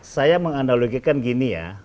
saya menganalogikan gini ya